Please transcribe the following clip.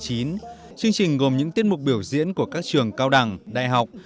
chương trình gồm những tiết mục biểu diễn của các trường cao đẳng đại học